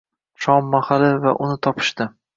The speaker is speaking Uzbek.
— shom mahali — va uni topishdi.